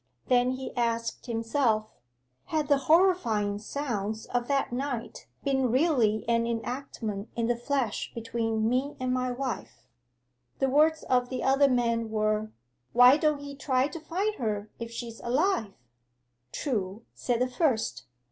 Then he asked himself, had the horrifying sounds of that night been really an enactment in the flesh between me and my wife? 'The words of the other man were: '"Why don't he try to find her if she's alive?" '"True," said the first.